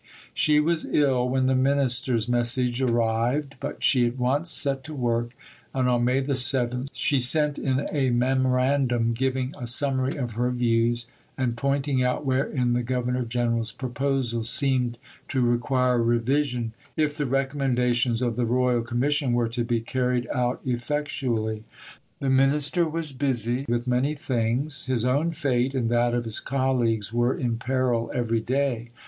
She was ill when the Minister's message arrived; but she at once set to work, and on May 7 she sent in a memorandum giving a summary of her views, and pointing out wherein the Governor General's proposals seemed to require revision if the recommendations of the Royal Commission were to be carried out effectually. The Minister was busy with many things. His own fate and that of his colleagues were in peril every day.